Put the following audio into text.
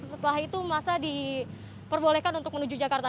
setelah itu masa diperbolehkan untuk menuju jakarta